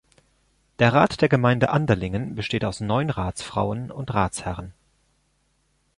Der Rat der Gemeinde Anderlingen besteht aus neun Ratsfrauen und Ratsherren.